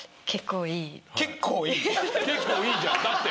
結構いいじゃんだって。